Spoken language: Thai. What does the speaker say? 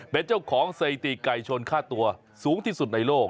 เป็นเจ้าของสถิติไก่ชนค่าตัวสูงที่สุดในโลก